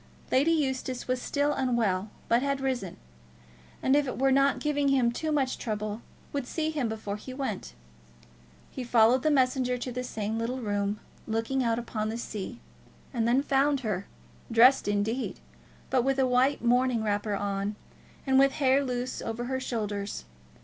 Lady Eustace was still unwell, but had risen; and if it were not giving him too much trouble, would see him before he went. He followed the messenger to the same little room, looking out upon the sea, and then found her, dressed indeed, but with a white morning wrapper on, and with hair loose over her shoulders.